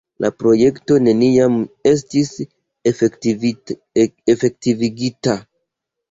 La projekto neniam estis efektivigita.